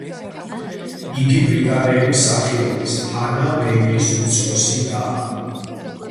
იგი ბრიტანელი მსახიობის, ჰანა ვეირის უმცროსი დაა.